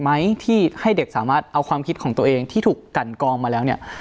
ไหมที่ให้เด็กสามารถเอาความคิดของตัวเองที่ถูกกันกองมาแล้วเนี่ย